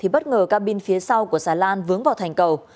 bất ngờ ca bin phía sau của xà lan vướng vào thành cầu